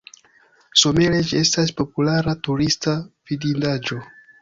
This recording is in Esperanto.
Somere ĝi estas populara turista vidindaĵo.